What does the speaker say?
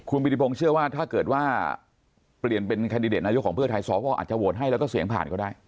คุณปิติพงศ์เชื่อว่าถ้าเกิดว่าเปลี่ยนเป็นแคนดิเดตนายกของเพื่อไทยสวอาจจะโหวตให้แล้วก็เสียงผ่านก็ได้